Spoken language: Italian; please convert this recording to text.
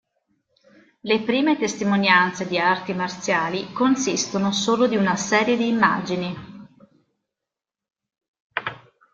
Le prime testimonianze di arti marziali consistono solo di una serie di immagini.